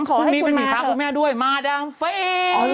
พรุ่งนี้เป็นผิดขาของแม่ด้วยมาดามเฟ้ย